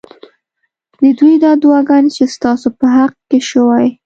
ددوی دا دعاګانې چې ستا سو په حق کي شوي